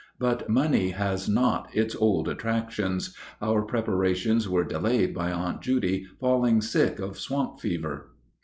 But money has not its old attractions. Our preparations were delayed by Aunt Judy falling sick of swamp fever.